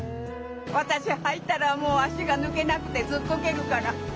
私入ったらもう足が抜けなくてずっこけるから。